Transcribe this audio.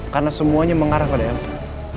karena semuanya mengarah ke elsa